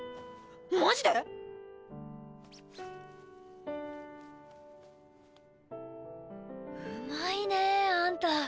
マジで⁉うまいねあんた。